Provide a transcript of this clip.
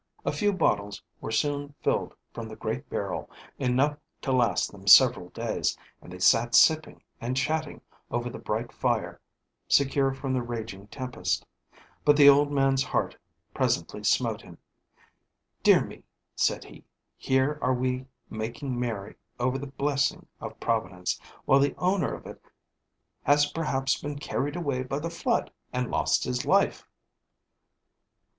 A few bottles were soon filled from the great barrel, enough to last them several days; and they sat sipping and chatting over the bright fire, secure from the raging tempest. But the old man's heart presently smote him. "Dear me," said he, "here are we making merry over the blessing of Providence, while the owner of it has perhaps been carried away by the flood, and lost his life!"